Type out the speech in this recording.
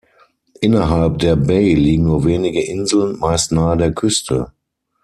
Innerhalb der Bay liegen nur wenige Inseln, meist nahe der Küste.